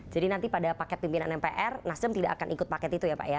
jadi nanti pada paket pimpinan mpr nassim tidak akan ikut paket itu ya pak